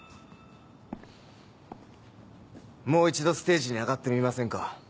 もう一度ステージに上がってみませんか？